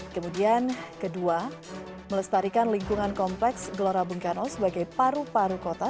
kemudian kedua melestarikan lingkungan kompleks gelora bung karno sebagai paru paru kota